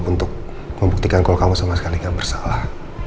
untuk membuktikan kalau kamu sama sekali gak bersalah